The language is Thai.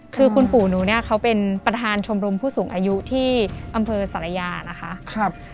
คือคุณปู่หนูเนี่ยเขาเป็นประธานชมรมผู้สูงอายุที่อำเภอสารยานะคะ